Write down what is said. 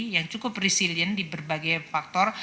yang cukup resilient di berbagai faktor